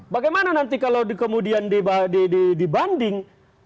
bagaimana nanti kalau kemudian dibanding